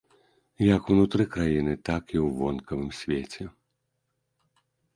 Як ўнутры краіны, так і ў вонкавым свеце.